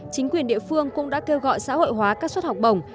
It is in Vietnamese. chính quyền địa phương cũng đã kêu gọi xã hội hóa các suất học bổng